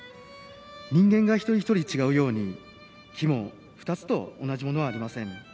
人間が一人一人違うように木も２つと同じものはありません。